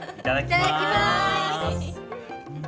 いただきまーす！